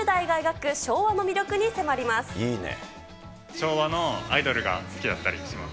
昭和のアイドルが好きだったりします。